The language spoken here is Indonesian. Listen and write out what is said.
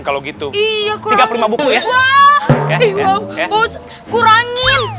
kalau gitu iya kurang buku ya ya ya ya udah kalau gitu